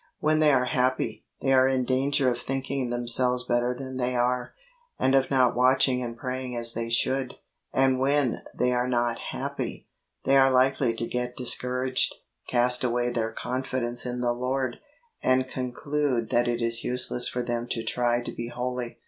When they are happy, they are in danger of thinking themselves better than they are, and of not watching and praying as they should ; and when they are not happy, they are likely to get discouraged, cast away their confidence in the Lord, and conclude that it is useless for them to try to be holy.